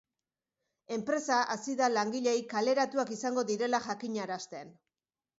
Enpresa hasi da langileei kaleratuak izango direla jakinarazten.